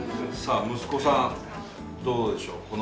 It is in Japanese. さあ息子さんどうでしょう。